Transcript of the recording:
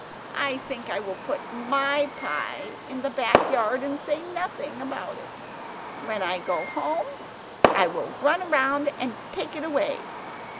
I think I will put MY pie in the back yard and say nothing about it. When I go home, I will run round and take it away."